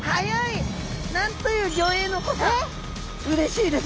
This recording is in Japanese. うれしいです。